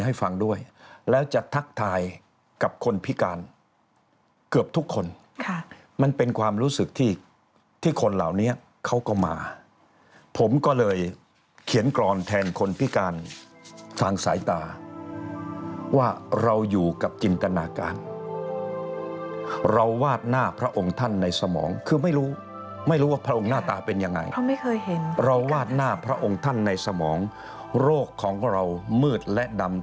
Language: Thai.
ให้ฟังด้วยแล้วจะทักทายกับคนพิการเกือบทุกคนค่ะมันเป็นความรู้สึกที่ที่คนเหล่านี้เขาก็มาผมก็เลยเขียนกรอนแทนคนพิการทางสายตาว่าเราอยู่กับจินตนาการเราวาดหน้าพระองค์ท่านในสมองคือไม่รู้ไม่รู้ว่าพระองค์หน้าตาเป็นยังไงเขาไม่เคยเห็นเราวาดหน้าพระองค์ท่านในสมองโรคของเรามืดและดำ